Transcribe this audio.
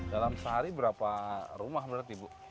dalam sehari berapa rumah berarti ibu